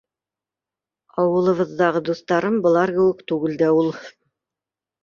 Ауылыбыҙҙағы дуҫтарым былар кеүек түгел дә ул.